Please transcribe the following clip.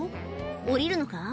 降りるのか？